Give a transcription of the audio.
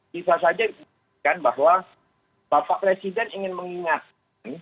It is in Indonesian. bisa saja bahwa bapak presiden ingin mengingatkan